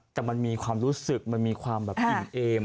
แต่มันมีความรู้สึกมันมีความแบบอิ่มเอม